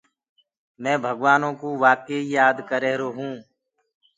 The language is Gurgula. مي ڀگوآنو ڪو وآڪي ئي يآد ڪر رهيرو هونٚ۔